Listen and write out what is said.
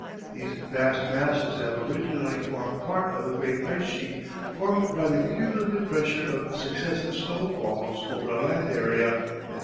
These vast masses have originally formed part of a great ice sheet formed by the cumulative pressure of successive snow falls over a land area," etc.